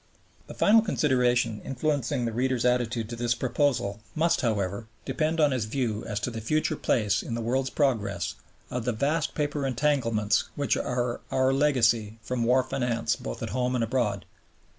The final consideration influencing the reader's attitude to this proposal must, however, depend on his view as to the future place in the world's progress of the vast paper entanglements which are our legacy from war finance both at home and abroad.